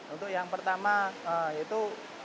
untuk yang pertama itu